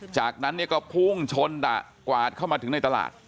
จากนั้นก็พรุ่งชนกวาดเข้ามาถึงในตลาด